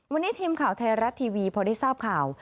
วันนี้ทีมข่าวไทยรัฐทีวีพอได้ทราบข่าว